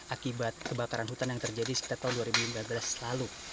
akibat kebakaran hutan yang terjadi sekitar tahun dua ribu lima belas lalu